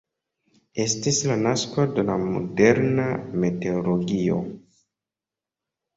Estis la nasko de la moderna meteologio.